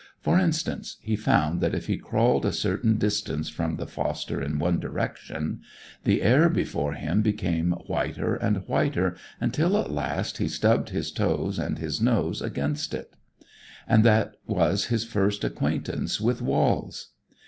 For instance, he found that if he crawled a certain distance from the foster in one direction, the air before him became whiter and whiter, until at last he stubbed his toes and his nose against it. And that was his first acquaintance with walls.